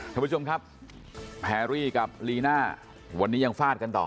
ท่านผู้ชมครับแพรรี่กับลีน่าวันนี้ยังฟาดกันต่อ